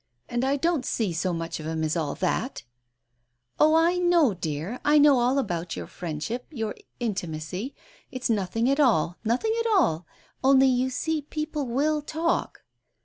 "And I don't see so much of him as all that !" "Oh, I know, dear, I know all about your friendship — your intimacy ... it's nothing at all, nothing at all ... only you see people will talk."